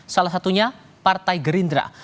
salah satunya partai gerindra